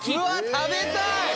食べたい！